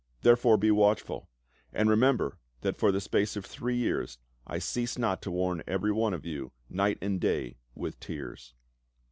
Therefore be watchful, and re member that for the space of three years I ceased not to warn every one of you night and day with tears.